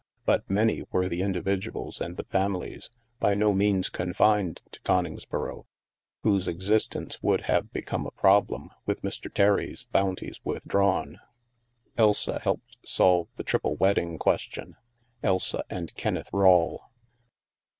But many were the individuals and the fami lies (by no means confined to Coningsboro) whose existence would have become a problem with Mr. Terry's bounties withdrawn. Elsa helped solve the triple wedding question — Elsa and Kenneth Rawle.